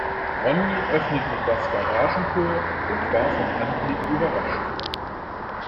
Ronny öffnete das Garagentor und war vom Anblick überrascht.